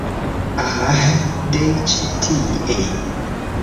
Ah de ĉi tie